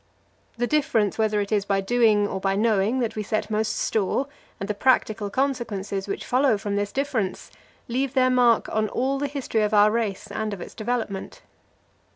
"+ The difference whether it is by doing or by knowing that we set most store, and the practical consequences which follow from this difference, leave their mark on all the history of our race and of its development.